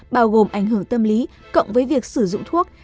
bao gồm ảnh hưởng tâm lý cộng với việc sử dụng thuốc